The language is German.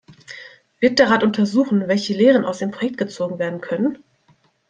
Wird der Rat untersuchen, welche Lehren aus dem Projekt gezogen werden können?